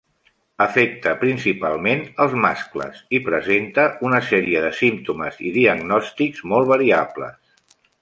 Afecta principalment els mascles, i presenta una sèrie de símptomes i diagnòstics molt variables.